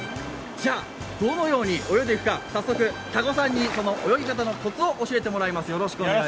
じゃあ、どのように泳いでいくか、早速、多湖さんに泳ぎ方のコツを教えてもらいます。